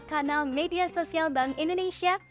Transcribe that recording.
kanal media sosial bank indonesia